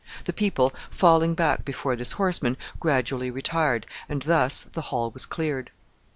The people, falling back before this horseman, gradually retired, and thus the hall was cleared.